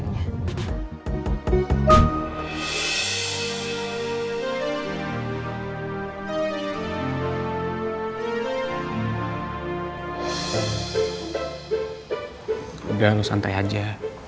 udah lo santai aja